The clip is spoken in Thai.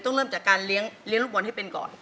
เริ่มจากการเลี้ยงลูกบอลให้เป็นก่อน